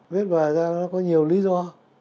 viết vào hà giang nó có nhiều lý do